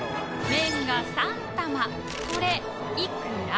麺が３玉これいくら？